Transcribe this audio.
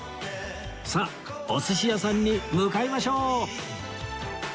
さあお寿司屋さんに向かいましょう！